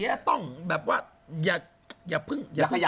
อย่าพึ่งขราง